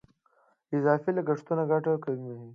اضافي لګښتونه ګټه کموي.